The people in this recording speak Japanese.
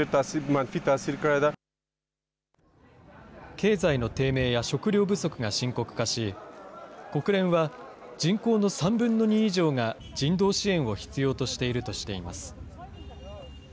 経済の低迷や食料不足が深刻化し、国連は人口の３分の２以上が人道支援を必要としているとしています。